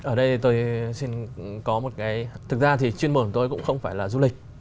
ở đây tôi xin có một cái thực ra thì chuyên môn của tôi cũng không phải là du lịch